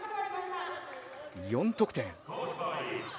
４得点。